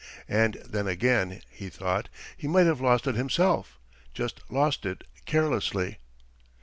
And then again, he thought, he might have lost it himself, just lost it carelessly.